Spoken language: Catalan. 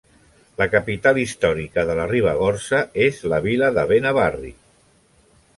La capital històrica de la Ribagorça és la vila de Benavarri.